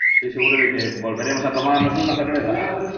estoy seguro de que volveremos a tomarnos una cerveza